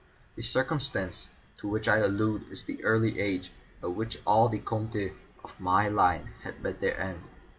The circumstance to which I allude is the early age at which all the Comtes of my line had met their end.